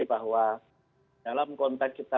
bahwa dalam konteks kita